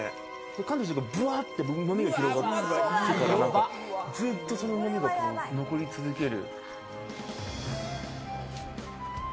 噛んだ瞬間、ブワッとうまみが広がって、ずっとそのうま味が残り続ける。